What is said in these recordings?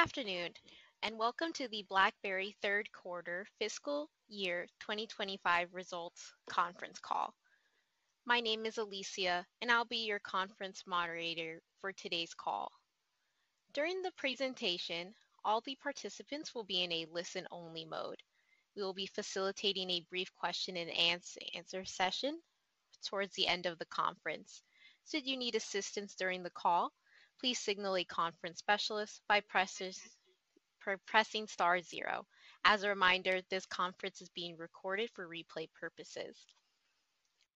Good afternoon, and welcome to the BlackBerry Third Quarter Fiscal Year 2025 Results Conference Call. My name is Alicia, and I'll be your conference moderator for today's call. During the presentation, all the participants will be in a listen-only mode. We will be facilitating a brief question-and-answer session towards the end of the conference. Should you need assistance during the call, please signal a conference specialist by pressing Star Zero. As a reminder, this conference is being recorded for replay purposes.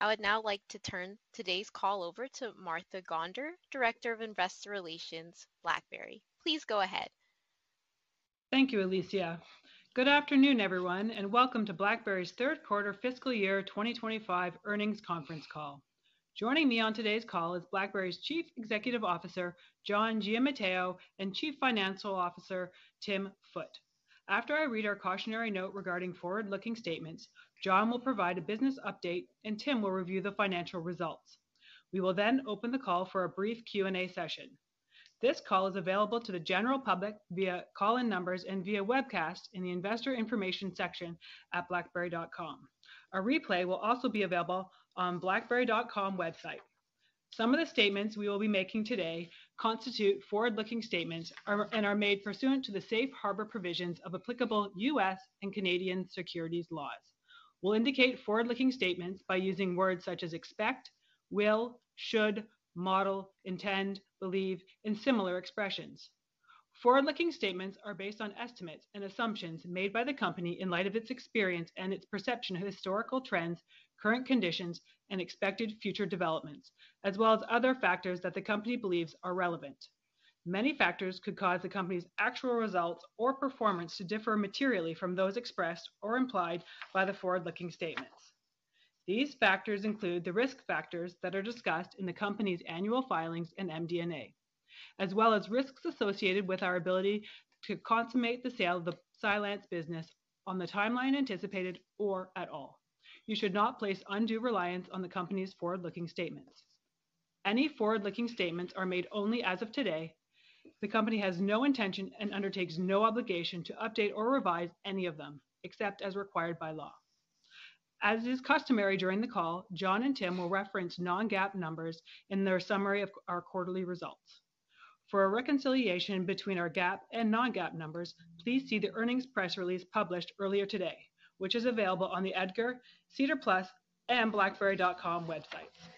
I would now like to turn today's call over to Martha Gonder, Director of Investor Relations, BlackBerry. Please go ahead. Thank you, Alicia. Good afternoon, everyone, and welcome to BlackBerry's Third Quarter Fiscal Year 2025 Earnings Conference Call. Joining me on today's call is BlackBerry's Chief Executive Officer, John Giamatteo, and Chief Financial Officer, Tim Foote. After I read our cautionary note regarding forward-looking statements, John will provide a business update, and Tim will review the financial results. We will then open the call for a brief Q&A session. This call is available to the general public via call-in numbers and via webcast in the Investor Information section at blackberry.com. A replay will also be available on the blackberry.com website. Some of the statements we will be making today constitute forward-looking statements and are made pursuant to the safe harbor provisions of applicable U.S. and Canadian securities laws. We'll indicate forward-looking statements by using words such as expect, will, should, model, intend, believe, and similar expressions. Forward-looking statements are based on estimates and assumptions made by the company in light of its experience and its perception of historical trends, current conditions, and expected future developments, as well as other factors that the company believes are relevant. Many factors could cause the company's actual results or performance to differ materially from those expressed or implied by the forward-looking statements. These factors include the risk factors that are discussed in the company's annual filings and MD&A, as well as risks associated with our ability to consummate the sale of the Cylance business on the timeline anticipated or at all. You should not place undue reliance on the company's forward-looking statements. Any forward-looking statements are made only as of today. The company has no intention and undertakes no obligation to update or revise any of them except as required by law. As is customary during the call, John and Tim will reference non-GAAP numbers in their summary of our quarterly results. For a reconciliation between our GAAP and non-GAAP numbers, please see the earnings press release published earlier today, which is available on the EDGAR, SEDAR+, and BlackBerry.com websites.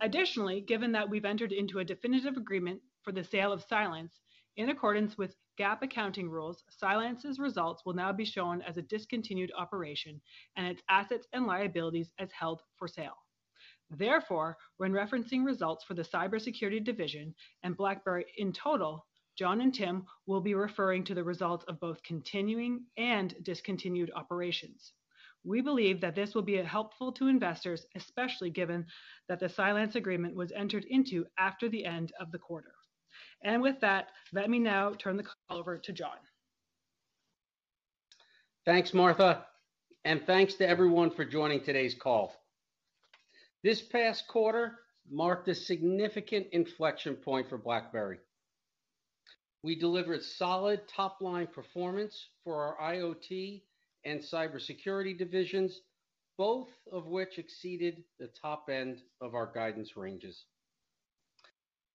Additionally, given that we've entered into a definitive agreement for the sale of Cylance in accordance with GAAP accounting rules, Cylance's results will now be shown as a discontinued operation and its assets and liabilities as held for sale. Therefore, when referencing results for the cybersecurity division and BlackBerry in total, John and Tim will be referring to the results of both continuing and discontinued operations. We believe that this will be helpful to investors, especially given that the Cylance agreement was entered into after the end of the quarter. And with that, let me now turn the call over to John. Thanks, Martha, and thanks to everyone for joining today's call. This past quarter marked a significant inflection point for BlackBerry. We delivered solid top-line performance for our IoT and cybersecurity divisions, both of which exceeded the top end of our guidance ranges.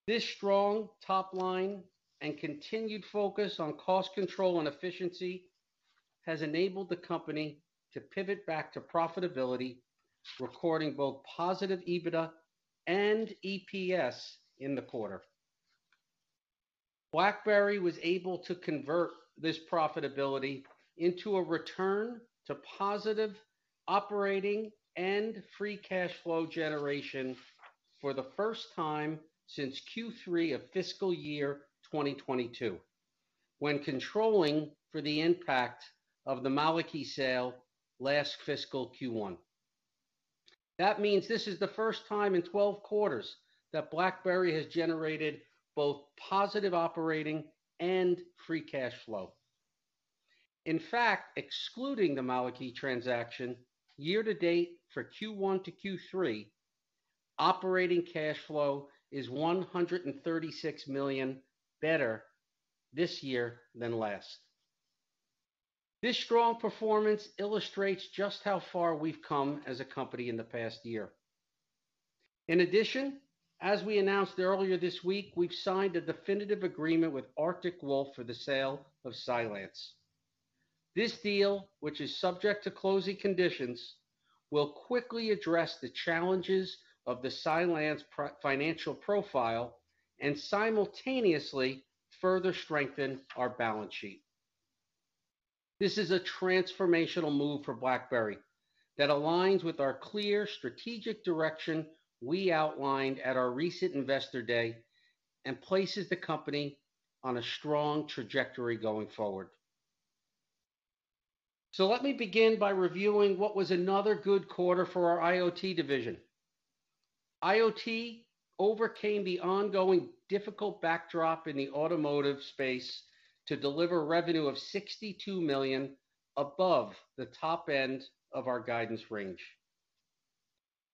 This strong top-line and continued focus on cost control and efficiency has enabled the company to pivot back to profitability, recording both positive EBITDA and EPS in the quarter. BlackBerry was able to convert this profitability into a return to positive operating and free cash flow generation for the first time since Q3 of fiscal year 2022, when controlling for the impact of the Malikie sale last fiscal Q1. That means this is the first time in 12 quarters that BlackBerry has generated both positive operating and free cash flow. In fact, excluding the Malikie transaction, year-to-date for Q1 to Q3, operating cash flow is $136 million better this year than last. This strong performance illustrates just how far we've come as a company in the past year. In addition, as we announced earlier this week, we've signed a definitive agreement with Arctic Wolf for the sale of Cylance. This deal, which is subject to closing conditions, will quickly address the challenges of the Cylance's financial profile and simultaneously further strengthen our balance sheet. This is a transformational move for BlackBerry that aligns with our clear strategic direction we outlined at our recent investor day and places the company on a strong trajectory going forward, so let me begin by reviewing what was another good quarter for our IoT division. IoT overcame the ongoing difficult backdrop in the automotive space to deliver revenue of $62 million above the top end of our guidance range.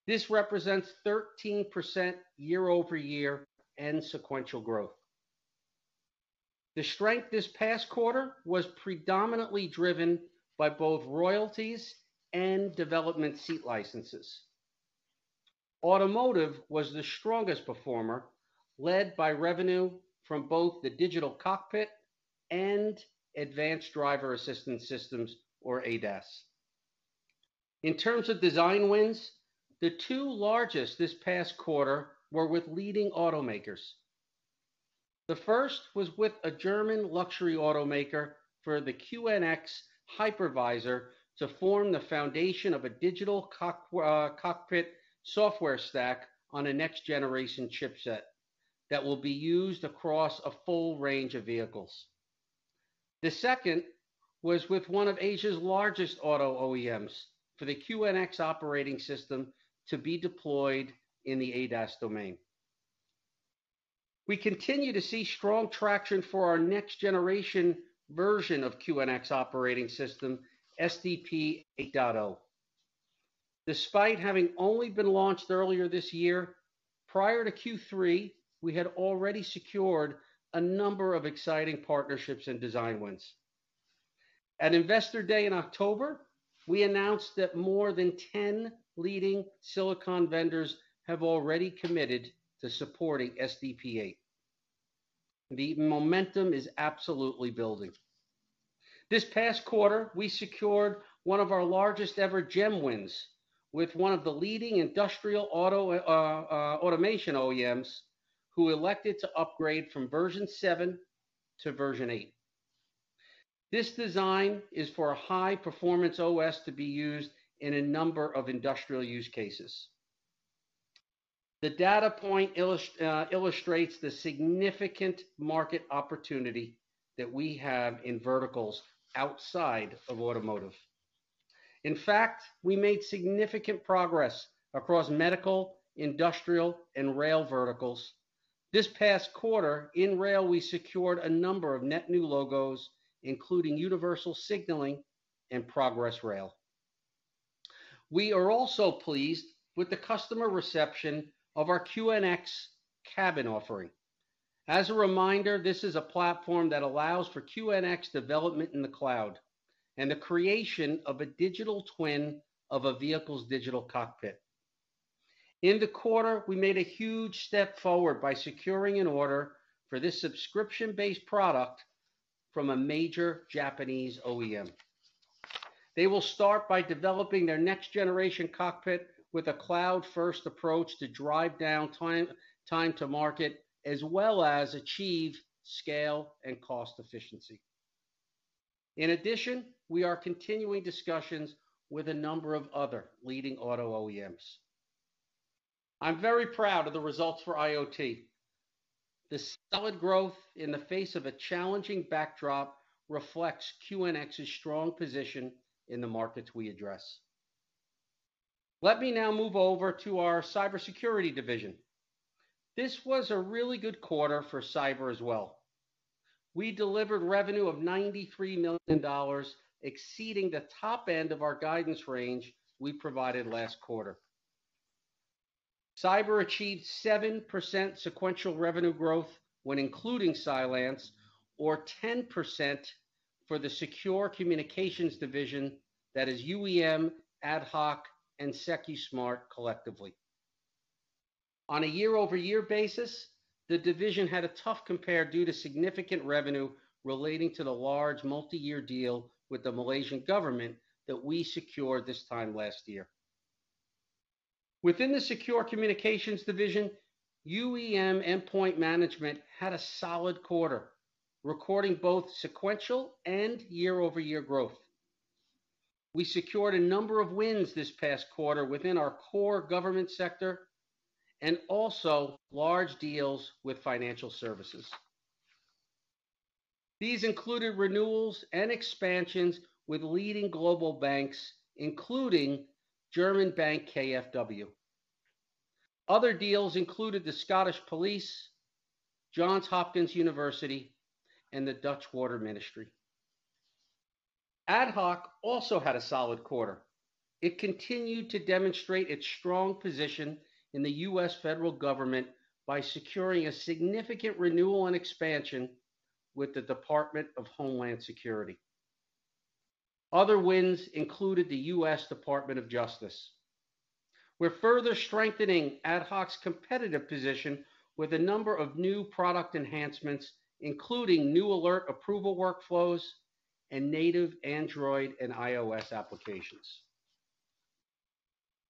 This represents 13% year-over-year and sequential growth. The strength this past quarter was predominantly driven by both royalties and development seat licenses. Automotive was the strongest performer, led by revenue from both the digital cockpit and advanced driver assistance systems, or ADAS. In terms of design wins, the two largest this past quarter were with leading automakers. The first was with a German luxury automaker for the QNX Hypervisor to form the foundation of a digital cockpit software stack on a next-generation chipset that will be used across a full range of vehicles. The second was with one of Asia's largest auto OEMs for the QNX operating system to be deployed in the ADAS domain. We continue to see strong traction for our next-generation version of QNX operating system, SDP 8.0. Despite having only been launched earlier this year, prior to Q3, we had already secured a number of exciting partnerships and design wins. At Investor Day in October, we announced that more than 10 leading silicon vendors have already committed to supporting SDP 8. The momentum is absolutely building. This past quarter, we secured one of our largest-ever GEM wins with one of the leading industrial automation OEMs who elected to upgrade from version 7 to version 8. This design is for a high-performance OS to be used in a number of industrial use cases. The data point illustrates the significant market opportunity that we have in verticals outside of automotive. In fact, we made significant progress across medical, industrial, and rail verticals. This past quarter, in rail, we secured a number of net new logos, including Universal Signalling and Progress Rail. We are also pleased with the customer reception of our QNX Cabin offering. As a reminder, this is a platform that allows for QNX development in the cloud and the creation of a digital twin of a vehicle's digital cockpit. In the quarter, we made a huge step forward by securing an order for this subscription-based product from a major Japanese OEM. They will start by developing their next-generation cockpit with a cloud-first approach to drive down time to market, as well as achieve scale and cost efficiency. In addition, we are continuing discussions with a number of other leading auto OEMs. I'm very proud of the results for IoT. The solid growth in the face of a challenging backdrop reflects QNX's strong position in the markets we address. Let me now move over to our cybersecurity division. This was a really good quarter for Cyber as well. We delivered revenue of $93 million, exceeding the top end of our guidance range we provided last quarter. Cyber achieved 7% sequential revenue growth when including Cylance, or 10% for the secure communications division that is UEM, AtHoc, and Secusmart collectively. On a year-over-year basis, the division had a tough compare due to significant revenue relating to the large multi-year deal with the Malaysian government that we secured this time last year. Within the secure communications division, UEM endpoint management had a solid quarter, recording both sequential and year-over-year growth. We secured a number of wins this past quarter within our core government sector and also large deals with financial services. These included renewals and expansions with leading global banks, including German bank KfW. Other deals included Police Scotland, Johns Hopkins University, and the Dutch Water Ministry. AtHoc also had a solid quarter. It continued to demonstrate its strong position in the U.S. federal government by securing a significant renewal and expansion with the U.S. Department of Homeland Security. Other wins included the U.S. Department of Justice. We're further strengthening AtHoc's competitive position with a number of new product enhancements, including new alert approval workflows and native Android and iOS applications.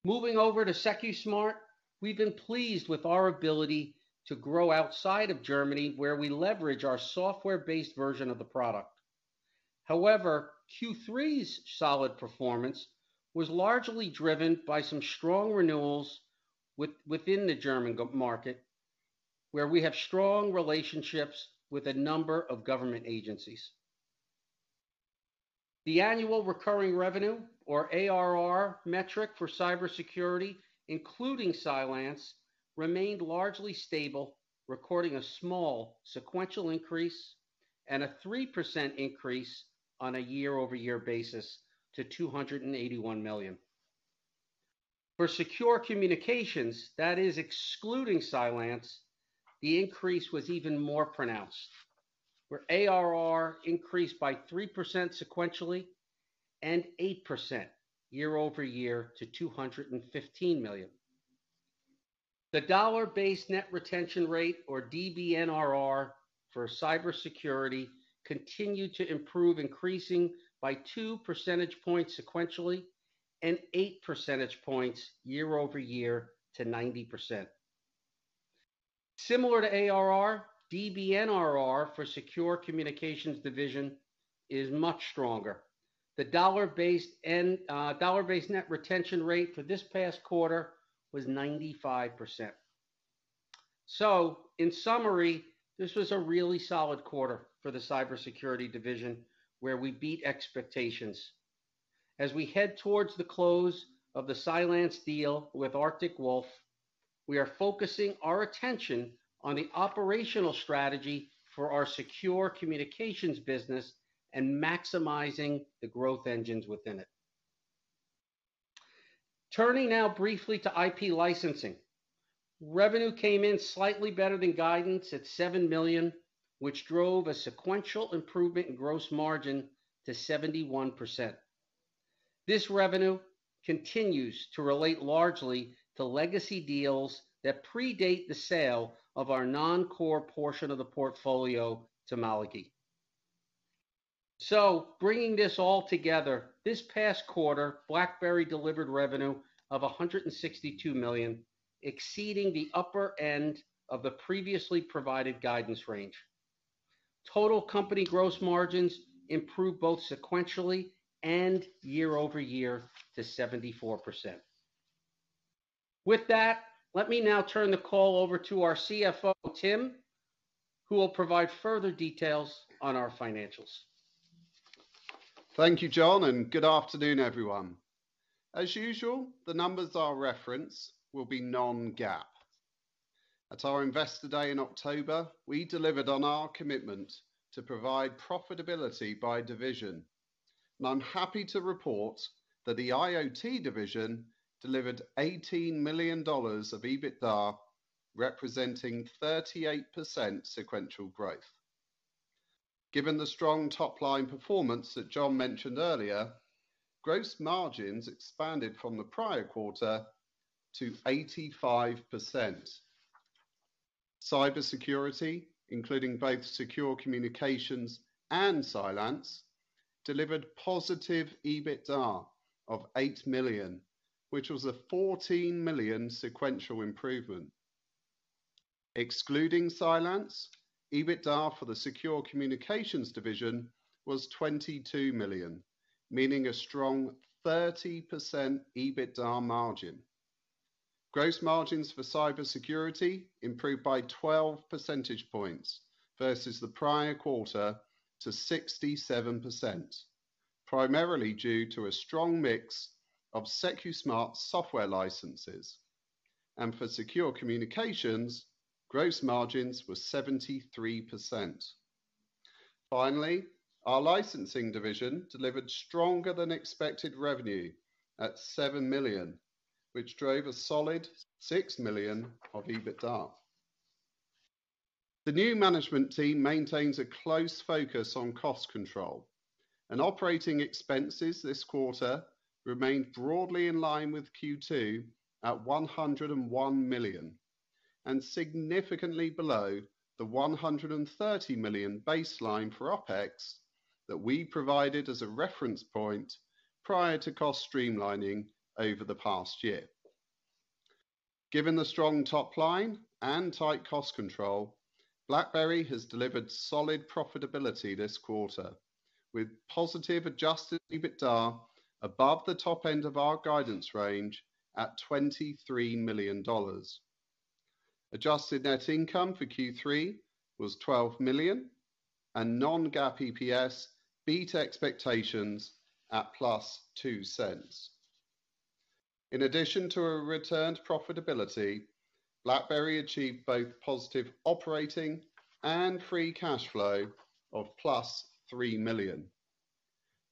Moving over to Secusmart, we've been pleased with our ability to grow outside of Germany, where we leverage our software-based version of the product. However, Q3's solid performance was largely driven by some strong renewals within the German market, where we have strong relationships with a number of government agencies. The annual recurring revenue, or ARR, metric for cybersecurity, including Cylance, remained largely stable, recording a small sequential increase and a 3% increase on a year-over-year basis to $281 million. For secure communications, that is excluding Cylance, the increase was even more pronounced, where ARR increased by 3% sequentially and 8% year-over-year to $215 million. The dollar-based net retention rate, or DBNRR, for cybersecurity continued to improve, increasing by 2 percentage points sequentially and 8 percentage points year-over-year to 90%. Similar to ARR, DBNRR for secure communications division is much stronger. The dollar-based net retention rate for this past quarter was 95%. So, in summary, this was a really solid quarter for the cybersecurity division, where we beat expectations. As we head towards the close of the Cylance deal with Arctic Wolf, we are focusing our attention on the operational strategy for our secure communications business and maximizing the growth engines within it. Turning now briefly to IP licensing. Revenue came in slightly better than guidance at $7 million, which drove a sequential improvement in gross margin to 71%. This revenue continues to relate largely to legacy deals that predate the sale of our non-core portion of the portfolio to Malikie. So, bringing this all together, this past quarter, BlackBerry delivered revenue of $162 million, exceeding the upper end of the previously provided guidance range. Total company gross margins improved both sequentially and year-over-year to 74%. With that, let me now turn the call over to our CFO, Tim, who will provide further details on our financials. Thank you, John, and good afternoon, everyone. As usual, the numbers I'll reference will be non-GAAP. At our Investor Day in October, we delivered on our commitment to provide profitability by division, and I'm happy to report that the IoT division delivered $18 million of EBITDA, representing 38% sequential growth. Given the strong top-line performance that John mentioned earlier, gross margins expanded from the prior quarter to 85%. Cybersecurity, including both secure communications and Cylance, delivered positive EBITDA of $8 million, which was a $14 million sequential improvement. Excluding Cylance, EBITDA for the secure communications division was $22 million, meaning a strong 30% EBITDA margin. Gross margins for cybersecurity improved by 12 percentage points versus the prior quarter to 67%, primarily due to a strong mix of Secusmart software licenses, and for secure communications, gross margins were 73%. Finally, our licensing division delivered stronger-than-expected revenue at $7 million, which drove a solid $6 million of EBITDA. The new management team maintains a close focus on cost control, and operating expenses this quarter remained broadly in line with Q2 at $101 million and significantly below the $130 million baseline for OpEx that we provided as a reference point prior to cost streamlining over the past year. Given the strong top line and tight cost control, BlackBerry has delivered solid profitability this quarter, with positive adjusted EBITDA above the top end of our guidance range at $23 million. Adjusted net income for Q3 was $12 million, and Non-GAAP EPS beat expectations at plus $0.02. In addition to a returned profitability, BlackBerry achieved both positive operating and free cash flow of plus $3 million.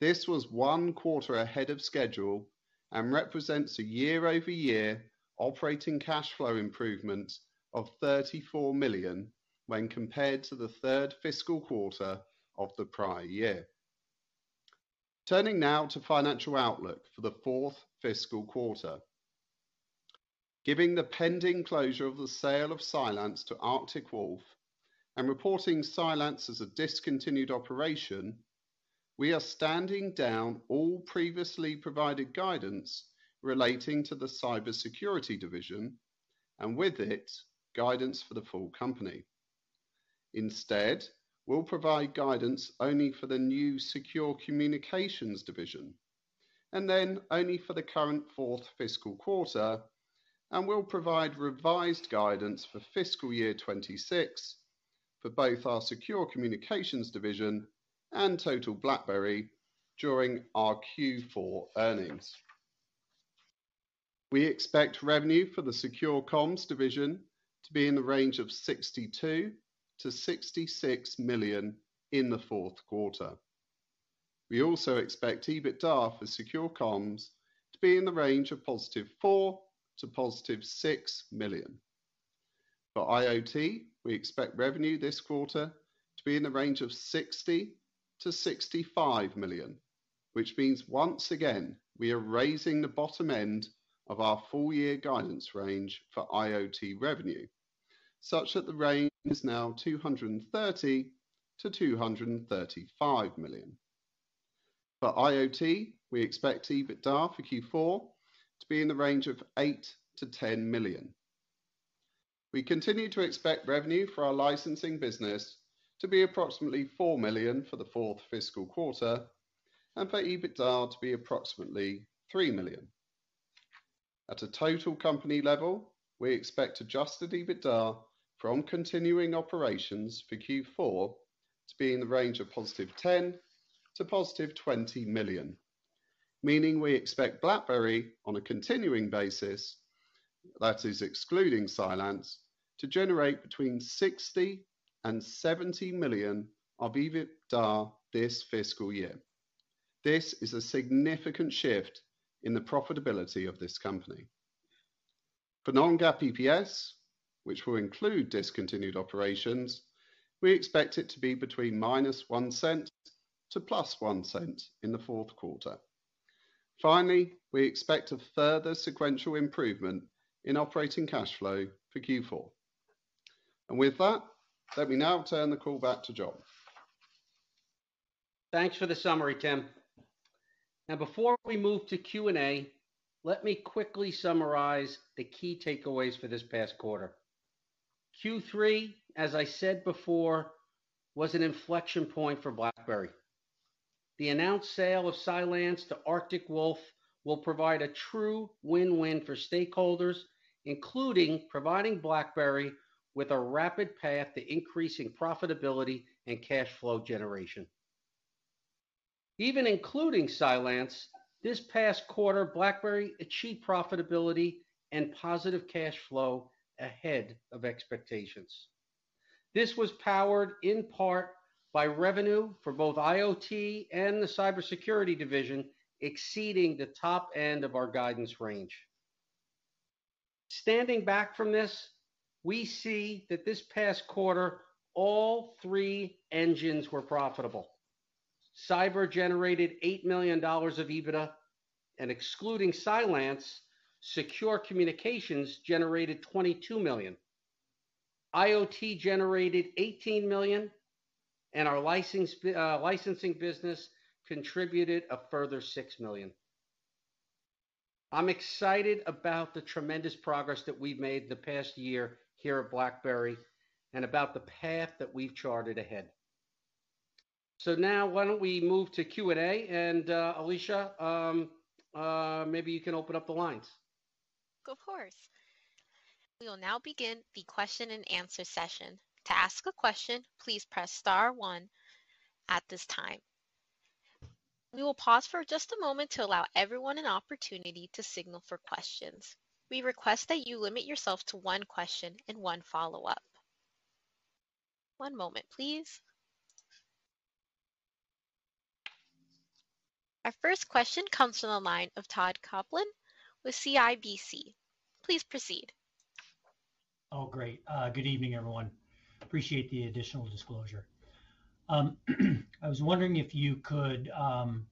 This was one quarter ahead of schedule and represents a year-over-year operating cash flow improvement of $34 million when compared to the third fiscal quarter of the prior year. Turning now to financial outlook for the fourth fiscal quarter. Given the pending closure of the sale of Cylance to Arctic Wolf and reporting Cylance as a discontinued operation, we are standing down all previously provided guidance relating to the cybersecurity division and, with it, guidance for the full company. Instead, we'll provide guidance only for the new secure communications division and then only for the current fourth fiscal quarter, and we'll provide revised guidance for fiscal year 2026 for both our secure communications division and total BlackBerry during our Q4 earnings. We expect revenue for the secure comms division to be in the range of $62-$66 million in the fourth quarter. We also expect EBITDA for secure comms to be in the range of positive $4-$6 million. For IoT, we expect revenue this quarter to be in the range of $60-$65 million, which means once again we are raising the bottom end of our full-year guidance range for IoT revenue, such that the range is now $230-$235 million. For IoT, we expect EBITDA for Q4 to be in the range of $8-$10 million. We continue to expect revenue for our licensing business to be approximately $4 million for the fourth fiscal quarter and for EBITDA to be approximately $3 million. At a total company level, we expect adjusted EBITDA from continuing operations for Q4 to be in the range of $10-$20 million, meaning we expect BlackBerry, on a continuing basis, that is excluding Cylance, to generate between $60 and $70 million of EBITDA this fiscal year. This is a significant shift in the profitability of this company. For non-GAAP EPS, which will include discontinued operations, we expect it to be between -$0.01 to +$0.01 in the fourth quarter. Finally, we expect a further sequential improvement in operating cash flow for Q4. And with that, let me now turn the call back to John. Thanks for the summary, Tim. Now, before we move to Q&A, let me quickly summarize the key takeaways for this past quarter. Q3, as I said before, was an inflection point for BlackBerry. The announced sale of Cylance to Arctic Wolf will provide a true win-win for stakeholders, including providing BlackBerry with a rapid path to increasing profitability and cash flow generation. Even including Cylance, this past quarter, BlackBerry achieved profitability and positive cash flow ahead of expectations. This was powered, in part, by revenue for both IoT and the cybersecurity division exceeding the top end of our guidance range. Standing back from this, we see that this past quarter, all three engines were profitable. Cyber generated $8 million of EBITDA, and excluding Cylance, secure communications generated $22 million. IoT generated $18 million, and our licensing business contributed a further $6 million. I'm excited about the tremendous progress that we've made the past year here at BlackBerry and about the path that we've charted ahead. So now, why don't we move to Q&A? And, Alicia, maybe you can open up the lines. Of course. We will now begin the question-and-answer session. To ask a question, please press star one at this time. We will pause for just a moment to allow everyone an opportunity to signal for questions. We request that you limit yourself to one question and one follow-up. One moment, please. Our first question comes from the line of Todd Coupland with CIBC. Please proceed. Oh, great. Good evening, everyone. Appreciate the additional disclosure. I was wondering if you could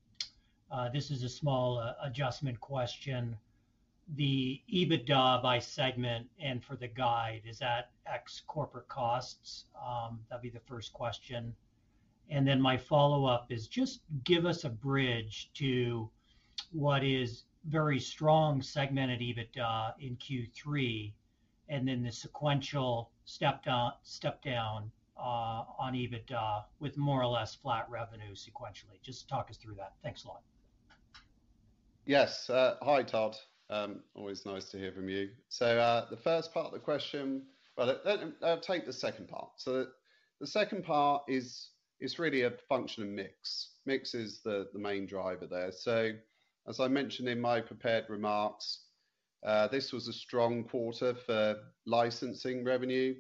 - this is a small adjustment question - the EBITDA by segment and for the guide. Is that ex-corporate costs? That'd be the first question, and then my follow-up is just give us a bridge to what is very strong segmented EBITDA in Q3 and then the sequential step-down on EBITDA with more or less flat revenue sequentially. Just talk us through that. Thanks a lot. Yes. Hi, Todd. Always nice to hear from you. So the first part of the question, well, take the second part. So the second part is really a function of mix. Mix is the main driver there. So, as I mentioned in my prepared remarks, this was a strong quarter for licensing revenue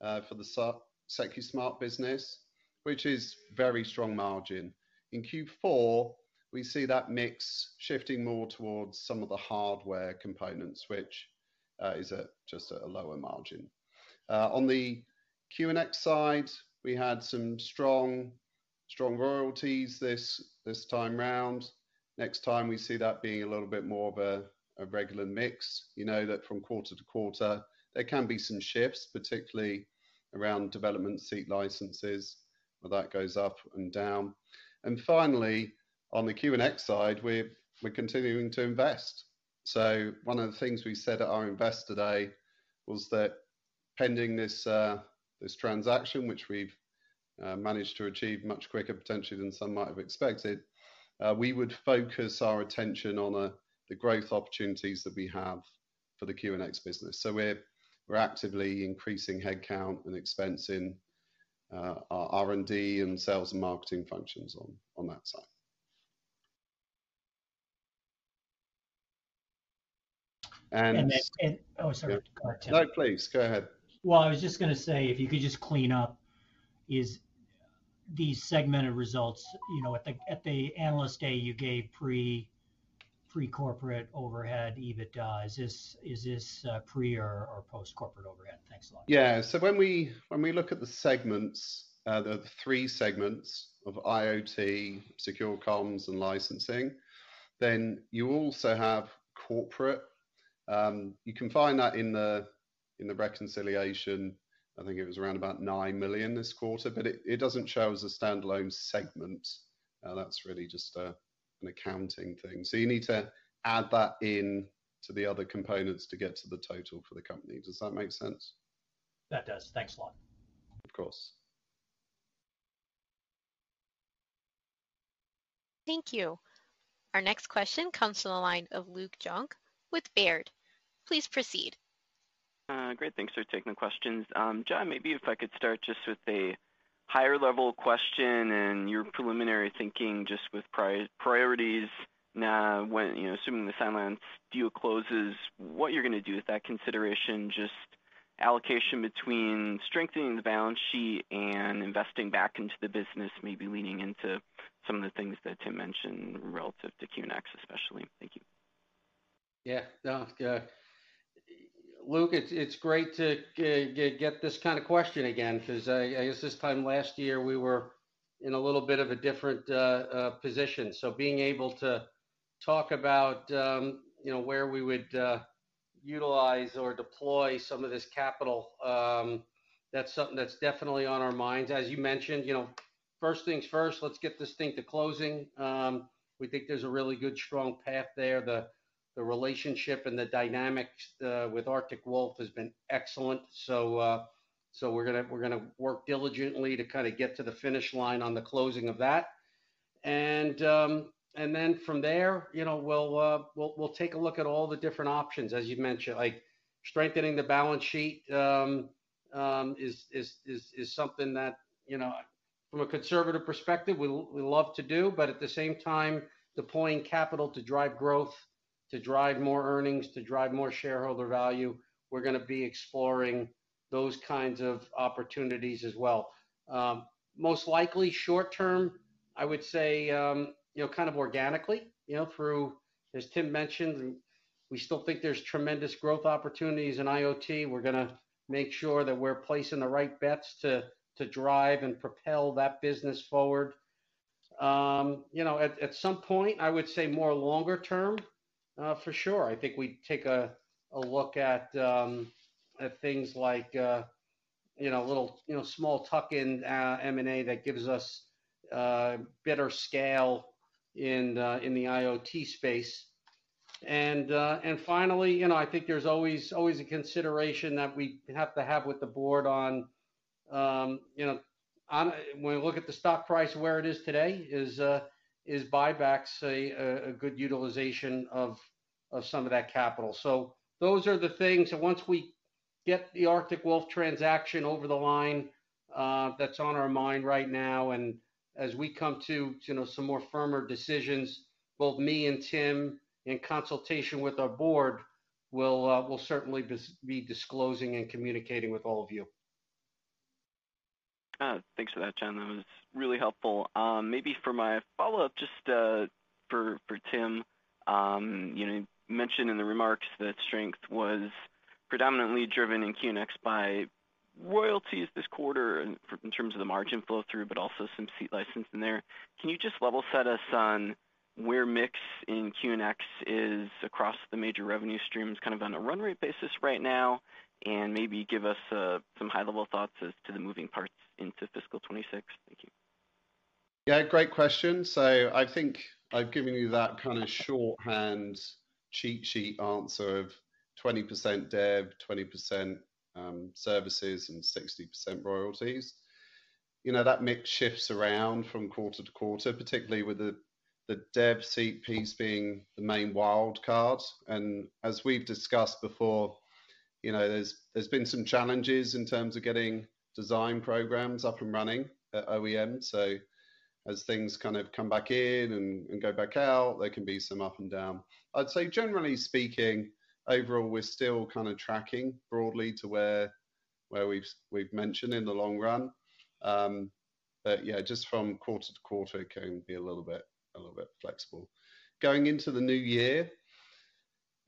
for the Secusmart business, which is very strong margin. In Q4, we see that mix shifting more towards some of the hardware components, which is just a lower margin. On the QNX side, we had some strong royalties this time round. Next time, we see that being a little bit more of a regular mix. You know that from quarter to quarter, there can be some shifts, particularly around development seat licenses, where that goes up and down. And finally, on the QNX side, we're continuing to invest. So one of the things we said at our Investor Day was that, pending this transaction, which we've managed to achieve much quicker, potentially, than some might have expected, we would focus our attention on the growth opportunities that we have for the QNX business. So we're actively increasing headcount and expensing our R&D and sales and marketing functions on that side. And. And then. And. Oh, sorry. Go ahead, Tim. No, please. Go ahead. I was just going to say, if you could just clean up. Is these segmented results at the Analyst Day you gave pre-corporate overhead EBITDA. Is this pre or post-corporate overhead? Thanks a lot. Yeah. So when we look at the segments, the three segments of IoT, secure comms, and licensing, then you also have corporate. You can find that in the reconciliation. I think it was around about $9 million this quarter, but it doesn't show as a standalone segment. That's really just an accounting thing. So you need to add that in to the other components to get to the total for the company. Does that make sense? That does. Thanks a lot. Of course. Thank you. Our next question comes from the line of Luke Junk with Baird. Please proceed. Great. Thanks for taking the questions. John, maybe if I could start just with a higher-level question and your preliminary thinking just with priorities. Now, assuming the Cylance deal closes, what you're going to do with that consideration, just allocation between strengthening the balance sheet and investing back into the business, maybe leaning into some of the things that Tim mentioned relative to QNX especially. Thank you. Yeah. No, good. Luke, it's great to get this kind of question again because I guess this time last year, we were in a little bit of a different position. So being able to talk about where we would utilize or deploy some of this capital, that's something that's definitely on our minds. As you mentioned, first things first, let's get this thing to closing. We think there's a really good, strong path there. The relationship and the dynamics with Arctic Wolf has been excellent. So we're going to work diligently to kind of get to the finish line on the closing of that. And then from there, we'll take a look at all the different options, as you mentioned. Strengthening the balance sheet is something that, from a conservative perspective, we love to do. At the same time, deploying capital to drive growth, to drive more earnings, to drive more shareholder value, we're going to be exploring those kinds of opportunities as well. Most likely, short-term, I would say, kind of organically, through, as Tim mentioned, we still think there's tremendous growth opportunities in IoT. We're going to make sure that we're placing the right bets to drive and propel that business forward. At some point, I would say more longer-term, for sure. I think we'd take a look at things like a little small tuck-in M&A that gives us better scale in the IoT space. Finally, I think there's always a consideration that we have to have with the board on, when we look at the stock price, where it is today, is buybacks a good utilization of some of that capital. Those are the things. Once we get the Arctic Wolf transaction over the line that's on our mind right now, and as we come to some more firmer decisions, both me and Tim, in consultation with our board, we'll certainly be disclosing and communicating with all of you. Thanks for that, John. That was really helpful. Maybe for my follow-up, just for Tim, you mentioned in the remarks that strength was predominantly driven in QNX by royalties this quarter in terms of the margin flow-through, but also some seat licensing there. Can you just level-set us on where mix in QNX is across the major revenue streams kind of on a run-rate basis right now, and maybe give us some high-level thoughts as to the moving parts into fiscal 2026? Thank you. Yeah. Great question. So I think I've given you that kind of shorthand, cheat sheet answer of 20% dev, 20% services, and 60% royalties. That mix shifts around from quarter to quarter, particularly with the dev seat piece being the main wild card. And as we've discussed before, there's been some challenges in terms of getting design programs up and running at OEM. So as things kind of come back in and go back out, there can be some up and down. I'd say, generally speaking, overall, we're still kind of tracking broadly to where we've mentioned in the long run. But yeah, just from quarter to quarter, it can be a little bit flexible. Going into the new year,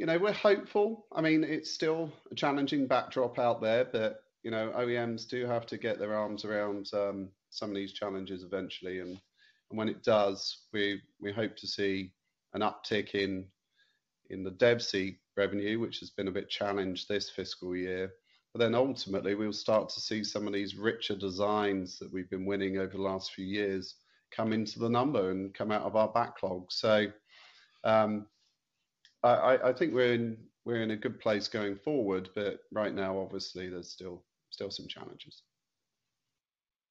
we're hopeful. I mean, it's still a challenging backdrop out there, but OEMs do have to get their arms around some of these challenges eventually. And when it does, we hope to see an uptick in the dev seat revenue, which has been a bit challenged this fiscal year. But then ultimately, we'll start to see some of these richer designs that we've been winning over the last few years come into the number and come out of our backlog. So I think we're in a good place going forward, but right now, obviously, there's still some challenges.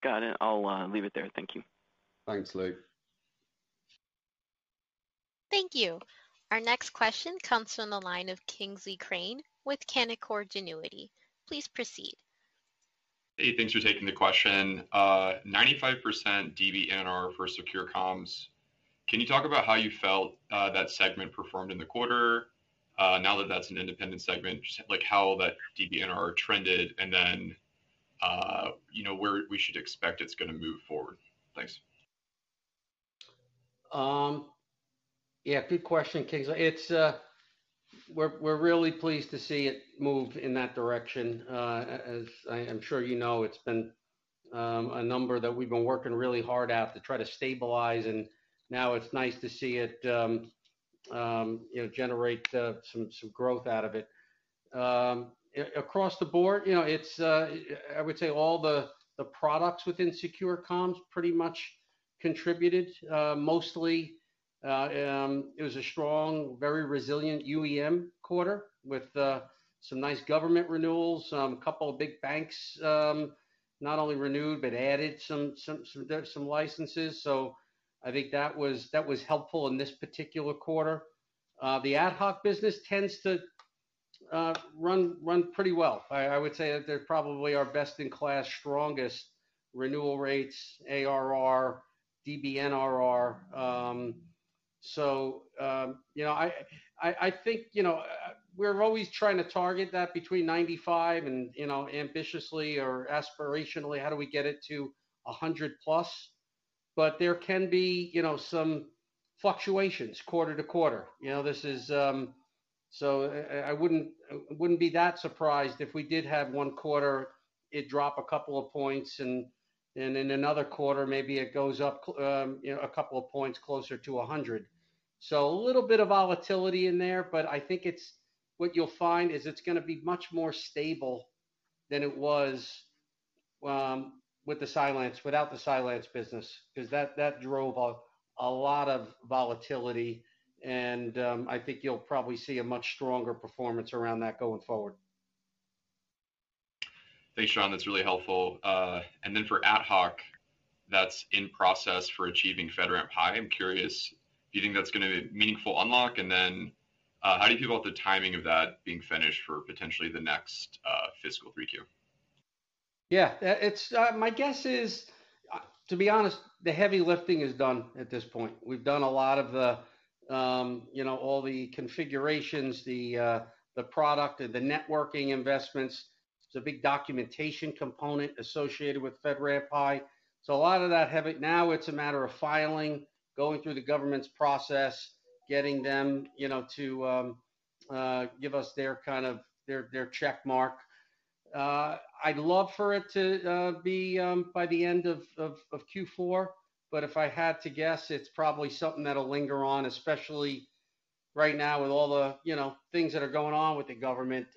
Got it. I'll leave it there. Thank you. Thanks, Luke. Thank you. Our next question comes from the line of Kingsley Crane with Canaccord Genuity. Please proceed. Hey, thanks for taking the question. 95% DBNR for secure comms. Can you talk about how you felt that segment performed in the quarter? Now that that's an independent segment, how that DBNR trended and then where we should expect it's going to move forward? Thanks. Yeah. Good question, Kingsley. We're really pleased to see it move in that direction. As I'm sure you know, it's been a number that we've been working really hard at to try to stabilize, and now it's nice to see it generate some growth out of it. Across the board, I would say all the products within secure comms pretty much contributed. Mostly, it was a strong, very resilient UEM quarter with some nice government renewals. A couple of big banks not only renewed but added some licenses. So I think that was helpful in this particular quarter. The ad hoc business tends to run pretty well. I would say that they're probably our best-in-class, strongest renewal rates, ARR, DBNRR. So I think we're always trying to target that between 95 and ambitiously or aspirationally, how do we get it to 100-plus? But there can be some fluctuations quarter to quarter. So I wouldn't be that surprised if we did have one quarter, it dropped a couple of points, and in another quarter, maybe it goes up a couple of points closer to 100. So a little bit of volatility in there, but I think what you'll find is it's going to be much more stable than it was without the Cylance business because that drove a lot of volatility. And I think you'll probably see a much stronger performance around that going forward. Thanks, John. That's really helpful. And then for AtHoc, that's in process for achieving FedRAMP High. I'm curious, do you think that's going to be a meaningful unlock? And then how do you feel about the timing of that being finished for potentially the next fiscal three-Q? Yeah. My guess is, to be honest, the heavy lifting is done at this point. We've done a lot of all the configurations, the product, and the networking investments. There's a big documentation component associated with FedRAMP High. So a lot of that heavy. Now it's a matter of filing, going through the government's process, getting them to give us their checkmark. I'd love for it to be by the end of Q4, but if I had to guess, it's probably something that'll linger on, especially right now with all the things that are going on with the government.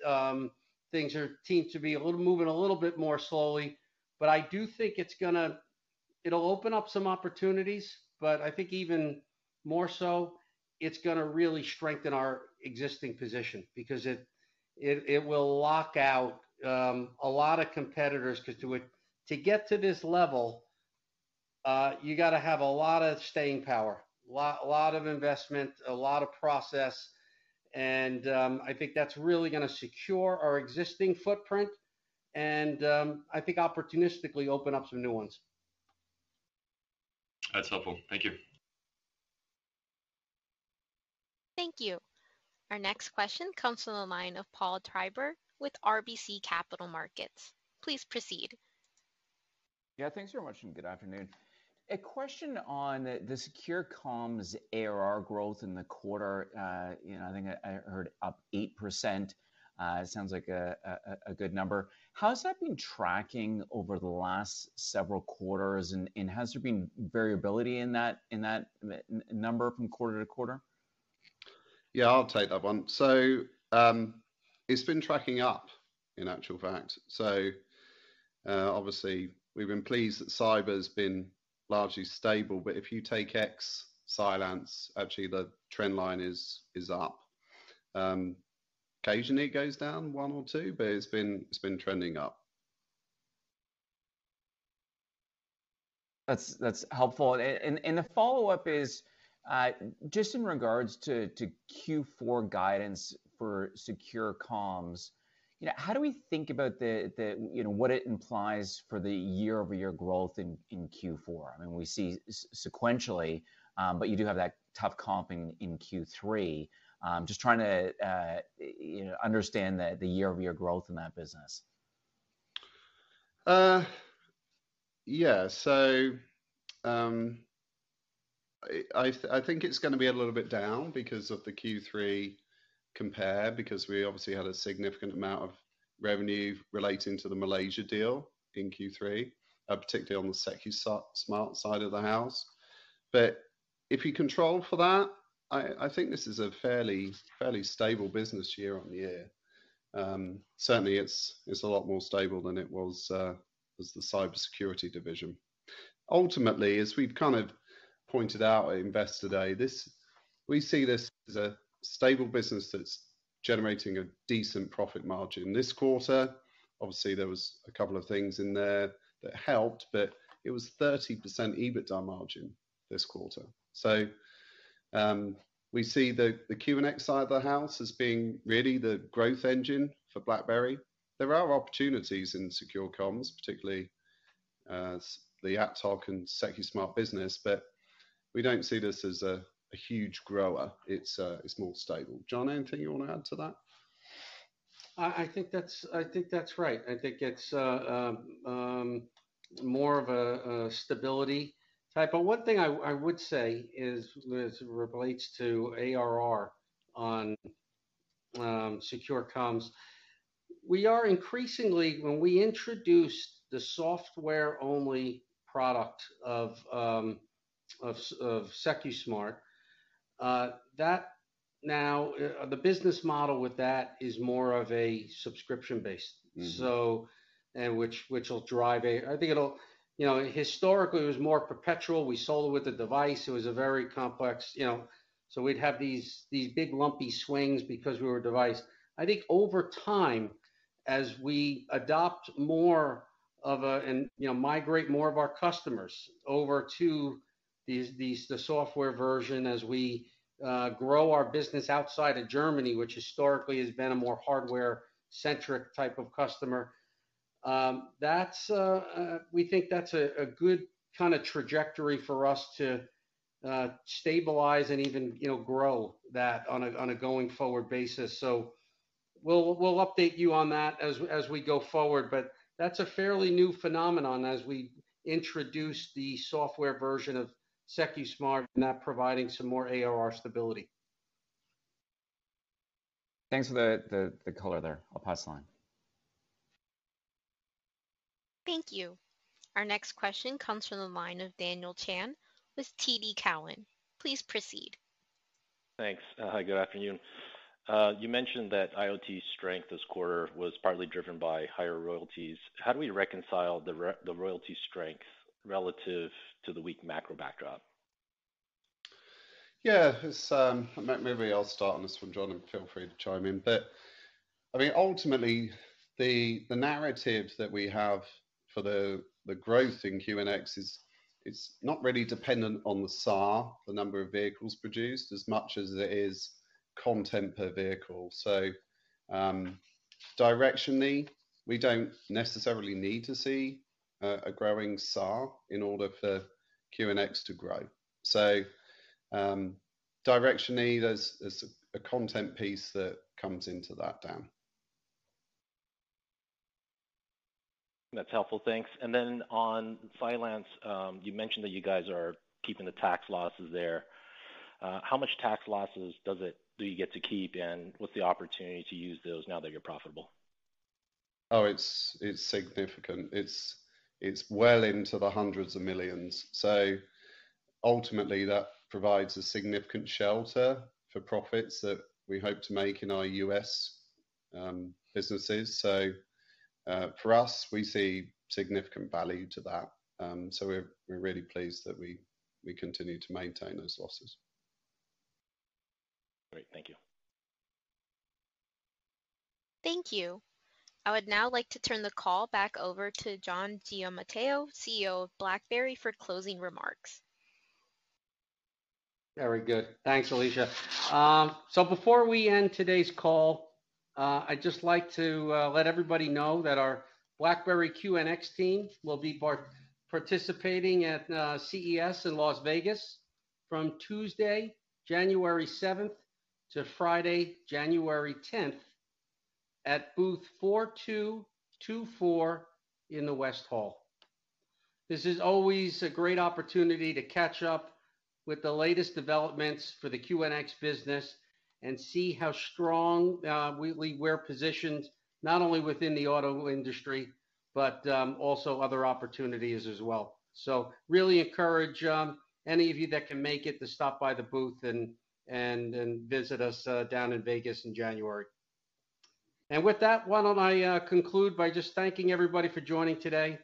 Things seem to be moving a little bit more slowly. But I do think it'll open up some opportunities, but I think even more so, it's going to really strengthen our existing position because it will lock out a lot of competitors because to get to this level, you got to have a lot of staying power, a lot of investment, a lot of process. And I think that's really going to secure our existing footprint and, I think, opportunistically open up some new ones. That's helpful. Thank you. Thank you. Our next question comes from the line of Paul Treiber with RBC Capital Markets. Please proceed. Yeah. Thanks very much. And good afternoon. A question on the secure comms ARR growth in the quarter. I think I heard up 8%. It sounds like a good number. How's that been tracking over the last several quarters? And has there been variability in that number from quarter to quarter? Yeah. I'll take that one. So it's been tracking up, in actual fact. So obviously, we've been pleased that cyber has been largely stable. But if you take QNX, Cylance, actually, the trend line is up. Occasionally, it goes down one or two, but it's been trending up. That's helpful. And a follow-up is just in regards to Q4 guidance for secure comms, how do we think about what it implies for the year-over-year growth in Q4? I mean, we see sequentially, but you do have that tough comp in Q3. Just trying to understand the year-over-year growth in that business. Yeah, so I think it's going to be a little bit down because of the Q3 compare because we obviously had a significant amount of revenue relating to the Malaysia deal in Q3, particularly on the Secusmart side of the house, but if you control for that, I think this is a fairly stable business year on year. Certainly, it's a lot more stable than it was the cybersecurity division. Ultimately, as we've kind of pointed out at Invest Day, we see this as a stable business that's generating a decent profit margin. This quarter, obviously, there was a couple of things in there that helped, but it was 30% EBITDA margin this quarter, so we see the QNX side of the house as being really the growth engine for BlackBerry. There are opportunities in secure comms, particularly the AtHoc and Secusmart business, but we don't see this as a huge grower. It's more stable. John, anything you want to add to that? I think that's right. I think it's more of a stability type. But one thing I would say as it relates to ARR on secure comms, we are increasingly, when we introduced the software-only product of Secusmart, that now the business model with that is more of a subscription-based, which will drive a I think historically, it was more perpetual. We sold it with a device. It was a very complex. So we'd have these big, lumpy swings because we were a device. I think over time, as we adopt more of a and migrate more of our customers over to the software version as we grow our business outside of Germany, which historically has been a more hardware-centric type of customer, we think that's a good kind of trajectory for us to stabilize and even grow that on a going-forward basis. So we'll update you on that as we go forward, but that's a fairly new phenomenon as we introduce the software version of Secusmart and that providing some more ARR stability. Thanks for the color there. I'll pass the line. Thank you. Our next question comes from the line of Daniel Chan with TD Cowen. Please proceed. Thanks. Good afternoon. You mentioned that IoT strength this quarter was partly driven by higher royalties. How do we reconcile the royalty strength relative to the weak macro backdrop? Yeah. Maybe I'll start on this one, John, and feel free to chime in. But I mean, ultimately, the narrative that we have for the growth in QNX is not really dependent on the SAR, the number of vehicles produced, as much as it is content per vehicle. So directionally, we don't necessarily need to see a growing SAR in order for QNX to grow. So directionally, there's a content piece that comes into that, Dan. That's helpful. Thanks. And then on Cylance, you mentioned that you guys are keeping the tax losses there. How much tax losses do you get to keep, and what's the opportunity to use those now that you're profitable? Oh, it's significant. It's well into the hundreds of millions. So ultimately, that provides a significant shelter for profits that we hope to make in our U.S. businesses. So for us, we see significant value to that. So we're really pleased that we continue to maintain those losses. Great. Thank you. Thank you. I would now like to turn the call back over to John Giamatteo, CEO of BlackBerry, for closing remarks. Very good. Thanks, Alicia, so before we end today's call, I'd just like to let everybody know that our BlackBerry QNX team will be participating at CES in Las Vegas from Tuesday, January 7th, to Friday, January 10th, at booth 4224 in the West Hall. This is always a great opportunity to catch up with the latest developments for the QNX business and see how strongly we're positioned not only within the auto industry but also other opportunities as well, so really encourage any of you that can make it to stop by the booth and visit us down in Vegas in January, and with that, why don't I conclude by just thanking everybody for joining today?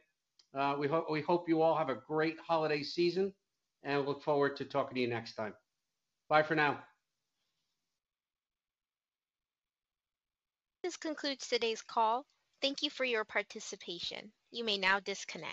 We hope you all have a great holiday season and look forward to talking to you next time. Bye for now. This concludes today's call. Thank you for your participation. You may now disconnect.